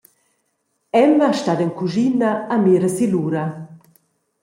Emma stat en cuschina e mira sin l’ura.